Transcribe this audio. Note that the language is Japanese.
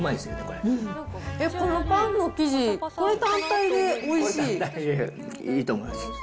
このパンの生地、これ、単体これ、単体でいいと思います。